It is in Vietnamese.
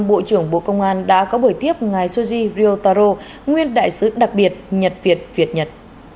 bộ trưởng bộ công an đã có buổi tiếp ngài suji ryotaro nguyên đại sứ đặc biệt nhật việt việt nhật